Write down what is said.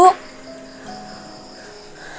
kamu ada apa